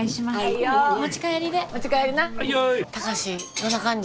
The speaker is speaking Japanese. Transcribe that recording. どんな感じ？